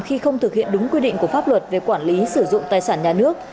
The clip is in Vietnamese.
khi không thực hiện đúng quy định của pháp luật về quản lý sử dụng tài sản nhà nước